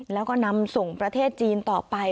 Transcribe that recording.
แล้วก็นำส่งประเทศจีนต่อไป